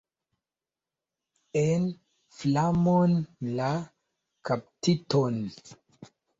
En flamon la kaptiton!